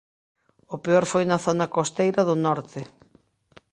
O peor foi na zona costeira do norte.